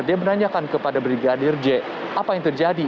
dia menanyakan kepada brigadir j apa yang terjadi